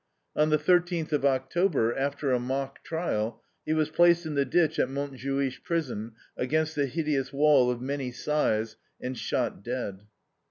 On the thirteenth of October, after a mock trial, he was placed in the ditch at Montjuich prison, against the hideous wall of many sighs, and shot dead.